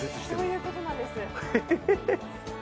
そういうことなんです